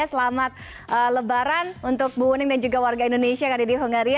selamat lebaran untuk ibu wening dan juga warga indonesia yang ada di hungaria